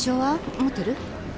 持ってる？